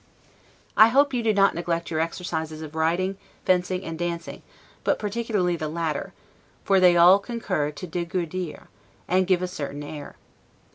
I hope you do not neglect your exercises of riding, fencing, and dancing, but particularly the latter: for they all concur to 'degourdir', and to give a certain air.